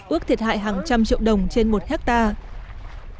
ước thiệt hại hàng trăm triệu đồng trên một hectare